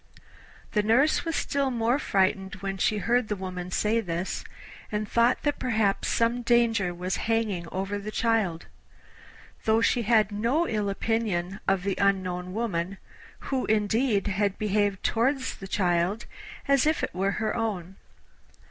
The nurse was still more frightened when she heard the woman say this, and thought that perhaps some danger was hanging over the child, though she had no ill opinion of the unknown woman, who, indeed, had behaved towards the child as if it were her own.